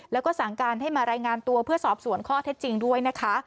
แล้วก็สั่งการให้มารายงานตัวเพื่อสอบสวนข้อเท็จจริงด้วยนะคะ